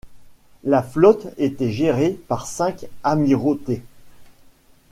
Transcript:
La flotte était gérée par cinq amirautés.